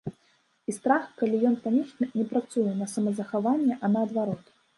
І страх, калі ён панічны, не працуе на самазахаванне, а наадварот.